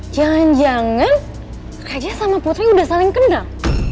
jangan jangan kayaknya sama putri udah saling kenal